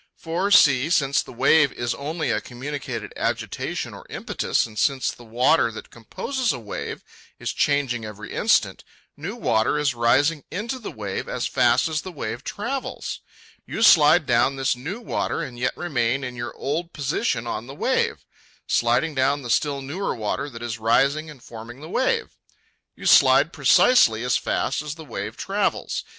For, see, since a wave is only a communicated agitation or impetus, and since the water that composes a wave is changing every instant, new water is rising into the wave as fast as the wave travels. You slide down this new water, and yet remain in your old position on the wave, sliding down the still newer water that is rising and forming the wave. You slide precisely as fast as the wave travels.